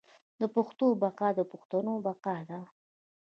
د پښتو بقا د پښتنو بقا ده.